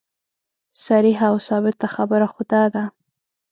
صریحه او ثابته خبره خو دا ده.